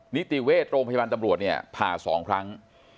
นิติเวชโรงพยาบาลตำรวจเนี่ยผ่า๒ครั้ง